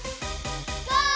ゴー！